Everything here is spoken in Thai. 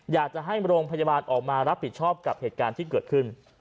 อยากจะให้โรงพยาบาลออกมารับผิดชอบกับเหตุการณ์ที่เกิดขึ้น